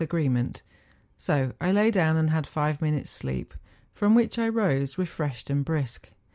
45 agreement; so I lay down and had five minutes' sleep, from which I rose refreslied and brisk.